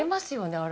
あれ。